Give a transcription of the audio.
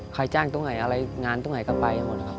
ใครจ้างตรงไหนอะไรงานตรงไหนก็ไปหมดครับ